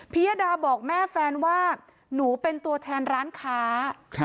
ยดาบอกแม่แฟนว่าหนูเป็นตัวแทนร้านค้า